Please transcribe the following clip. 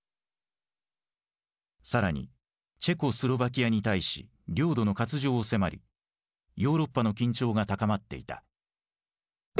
更にチェコスロバキアに対し領土の割譲を迫りヨーロッパの緊張が高まっていた。